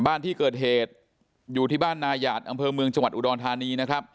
บ้านที่เกิดเหตุอยู่ที่บ้านนายาดอำเภอเมืองจังหวัดอุดรธานีนะครับ